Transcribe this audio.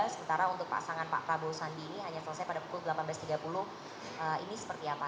sementara untuk pasangan pak prabowo sandi ini hanya selesai pada pukul delapan belas tiga puluh ini seperti apa